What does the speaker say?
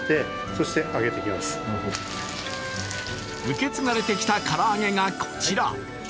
受け継がれてきた唐揚げがこちら。